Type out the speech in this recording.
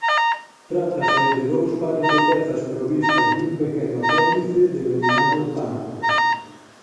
Trátase de dous pares de pezas provistas dun pequeno apéndice denominado palpo.